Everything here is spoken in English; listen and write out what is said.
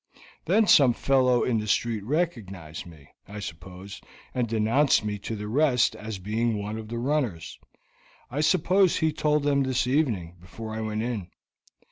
Then some fellow in the street recognized me, I suppose, and denounced me to the rest as being one of the runners. I suppose he told them this evening, before I went in.